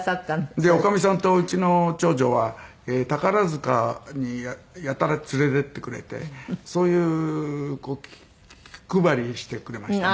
で女将さんとうちの長女は宝塚にやたら連れて行ってくれてそういう気配りしてくれましたね。